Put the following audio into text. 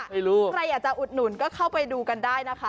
ไม่รู้ใครอยากจะอุดหนุนก็เข้าไปดูกันได้นะคะ